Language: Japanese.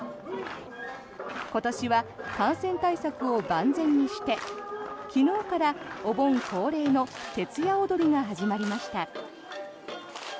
今年は感染対策を万全にして昨日からお盆恒例の徹夜おどりが始まりました。